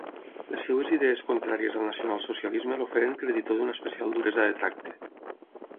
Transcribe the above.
Les seves idees contràries al nacionalsocialisme el feren creditor d'una especial duresa de tracte.